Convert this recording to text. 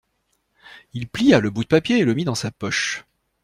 Il plia le bout de papier et le mit dans sa poche.